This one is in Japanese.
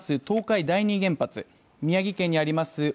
東海第２原発、宮城県にあります